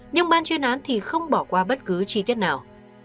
nhưng ban chuyên án thì không bỏ qua bất cứ chi tiết nào